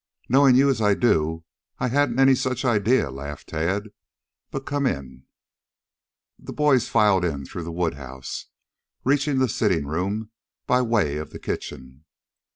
"Knowing you as I do, I hadn't any such idea," laughed Tad. "But come in." The boys filed in through the wood house, reaching the sitting room by way of the kitchen.